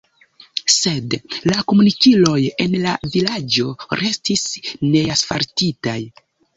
Sed la komunikiloj en la vilaĝo restis neasfaltitaj.